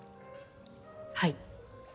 はい。